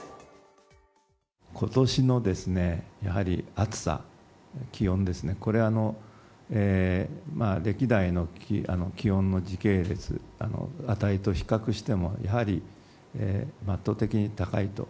ことしのですね、やはり暑さ、気温ですね、これ、歴代の気温の時系列、値と比較しても、やはり圧倒的に高いと。